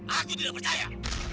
aku tidak percaya